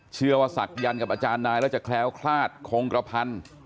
เชื่อว่าศักยรณ์กับอาจารย์นายแล้วจะแคล้วขลาดคงกระพัน